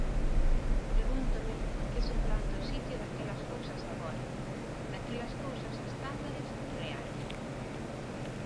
Pregúntome que suplanta o sitio daquelas cousas agora, daquelas cousas estándares e reais.